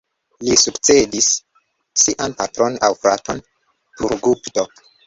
Li sukcedis sian patron aŭ fraton Purugupto.